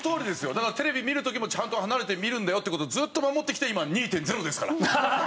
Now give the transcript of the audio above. だからテレビ見る時もちゃんと離れて見るんだよって事をずっと守ってきて今２．０ですから。